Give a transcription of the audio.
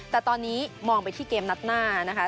แต่ตอนนี้มองไปที่เกมนัดหน้านะคะ